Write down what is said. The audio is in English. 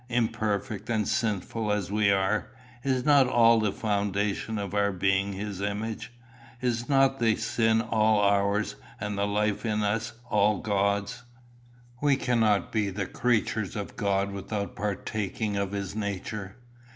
Imperfect and sinful as we are, is not all the foundation of our being his image? Is not the sin all ours, and the life in us all God's? We cannot be the creatures of God without partaking of his nature.